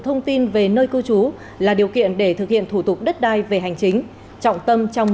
thông tin về nơi cư trú là điều kiện để thực hiện thủ tục đất đai về hành chính trọng tâm trong